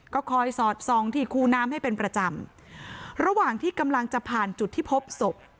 ก็คอยสอดส่องที่คูน้ำให้เป็นประจำระหว่างที่กำลังจะผ่านจุดที่พบศพ